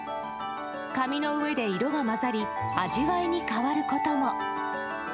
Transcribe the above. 紙の上で色が混ざり味わいに変わることも。